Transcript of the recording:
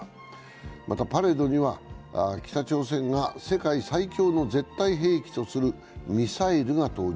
またパレードには北朝鮮が世界最強の絶対兵器とするミサイルが登場。